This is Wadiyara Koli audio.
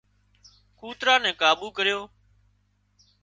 ڪوترا نين ڪابو ڪريو